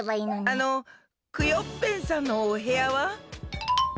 あのクヨッペンさんのおへやは？